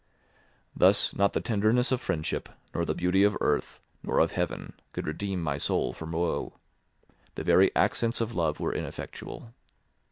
Thus not the tenderness of friendship, nor the beauty of earth, nor of heaven, could redeem my soul from woe; the very accents of love were ineffectual.